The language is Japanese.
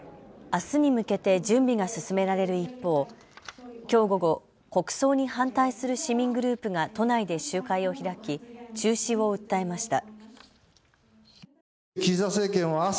あすに向けて準備が進められる一方、きょう午後、国葬に反対する市民グループが都内で集会を開き、中止を訴えました。